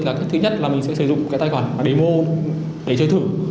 cách thứ nhất là mình sẽ sử dụng cái tài khoản demo để chơi thử